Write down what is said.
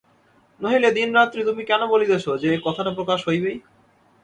নহিলে দিন রাত্রি তুমি কেন বলিতেছ যে, কথাটা প্রকাশ হইবেই।